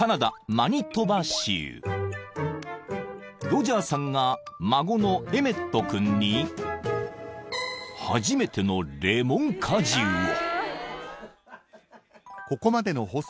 ［ロジャーさんが孫のエメット君に初めてのレモン果汁を］